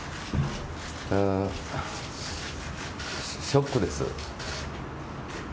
ショックです。